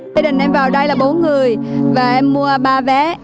bây giờ em vào đây là bốn người và em mua ba vé